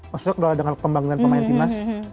maksudnya kalau dengan pembangunan pemain timnas